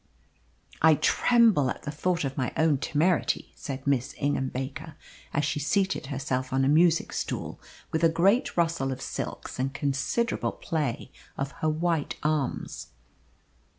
"I tremble at the thought of my own temerity," said Miss Ingham Baker, as she seated herself on a music stool with a great rustle of silks and considerable play of her white arms.